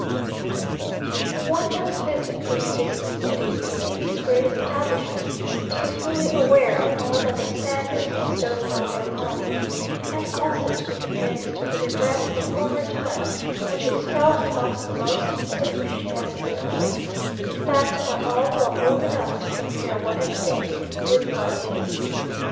One must visit these distant cities, and see these great establishments, to be fully aware of all that the Spaniards bestowed upon their colonies, and also to be convinced of the regret for former times which is felt amongst the most distinguished men of the republic; in fact, by all who are old enough to compare what has been with what is.